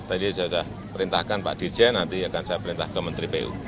tadi saya sudah perintahkan pak dirjen nanti akan saya perintah ke menteri pu